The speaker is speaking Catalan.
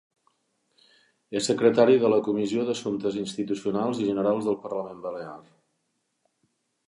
És secretari de la Comissió d'Assumptes Institucionals i Generals del Parlament Balear.